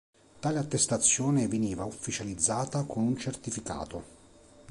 Tale attestazione veniva ufficializzata con un certificato.